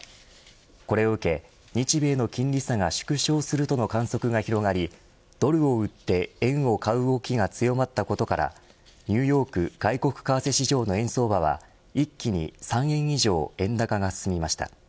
これを受け、日米の金利差が縮小するとの観測が広がりドルを売って円を買う動きが強まったことからニューヨーク外国為替市場の円相場は一気に３円以上円高が進みました。